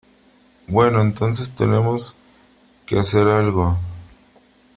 Bueno , entonces , tenemos que hacer algo .